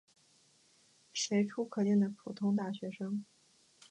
随处可见的普通大学生。